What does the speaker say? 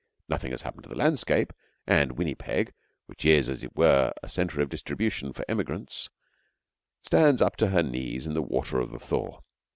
Nothing has happened to the landscape, and Winnipeg, which is, as it were, a centre of distribution for emigrants, stands up to her knees in the water of the thaw.